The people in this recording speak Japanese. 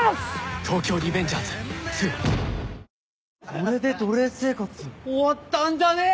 これで奴隷生活終わったんじゃね？